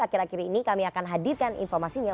akhir akhir ini kami akan hadirkan informasinya